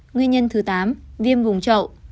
nguyên nhân thứ tám viêm vùng trậu